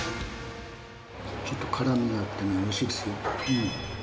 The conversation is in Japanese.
ちょっと辛みがあってね、おいしいですよ。